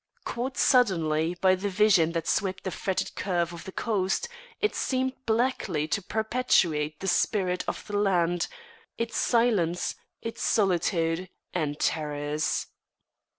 Caught suddenly by the vision that swept the fretted curve of the coast, it seemed blackly to perpetuate the spirit of the land, its silence, its solitude and terrors.